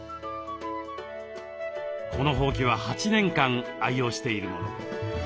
このほうきは８年間愛用しているもの。